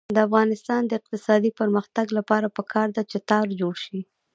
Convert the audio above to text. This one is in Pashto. د افغانستان د اقتصادي پرمختګ لپاره پکار ده چې تار جوړ شي.